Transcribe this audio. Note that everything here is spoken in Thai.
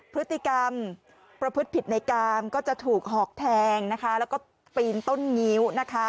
พฤติกรรมประพฤติผิดในกามก็จะถูกหอกแทงนะคะแล้วก็ปีนต้นงิ้วนะคะ